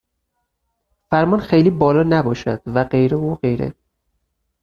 فرمان خیلی بالا نباشد و غیره و غیره.